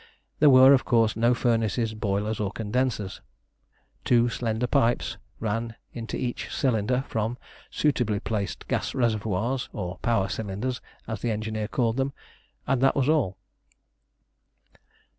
There were, of course, no furnaces, boilers, or condensers. Two slender pipes ran into each cylinder from suitably placed gas reservoirs, or power cylinders, as the engineer called them, and that was all.